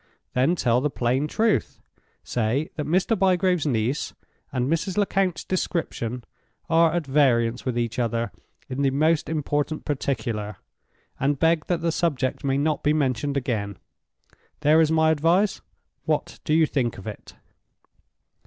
Then tell the plain truth—say that Mr. Bygrave's niece and Mrs. Lecount's description are at variance with each other in the most important particular, and beg that the subject may not be mentioned again. There is my advice. What do you think of it?"